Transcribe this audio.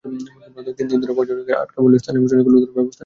তিন দিন ধরে পর্যটকেরা আটকা পড়লেও স্থানীয় প্রশাসন কোনো ধরনের ব্যবস্থা নেয়নি।